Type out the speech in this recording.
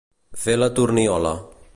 Fer la torniola.